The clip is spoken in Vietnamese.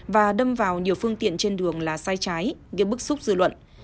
và đâm vào nhiều phương tiện trên đường là sai trái ghiếp bức xúc dự luận